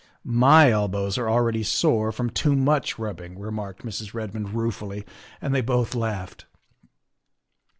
" My elbows are already sore from too much rub bing," remarked Mrs. Redmond ruefully, and they both laughed.